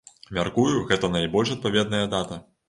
Мяркую, гэта найбольш адпаведная дата.